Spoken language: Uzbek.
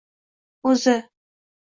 O’zi!